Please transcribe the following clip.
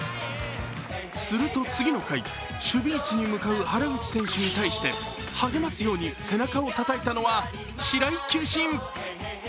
すると次の回、守備位置に向かう原口選手に対して励ますように背中をたたいたの、白井球審。